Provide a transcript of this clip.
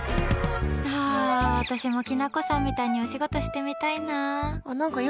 私も、きなこさんみたいにお仕事してみたいな。